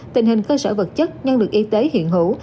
tình hình cơ sở vật chất nhân lực y tế hiện hữu